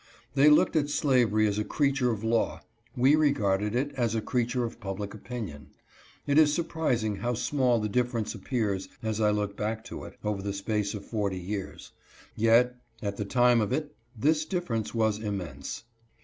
They looked at slavery as a creature of law ; we regarded it as a creature of public opinion. It is surprising how small the difference appears as I look back to it, over the space of forty years ; yet at the time of it this difference was immense.